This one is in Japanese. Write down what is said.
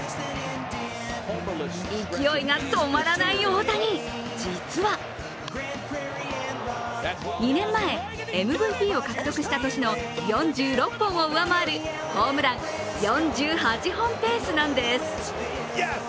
勢いが止まらない大谷、実は２年前、ＭＶＰを獲得した年の４６本を上回るホームラン４８本ペースなんです。